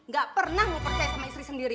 gak pernah mau percaya sama istri sendiri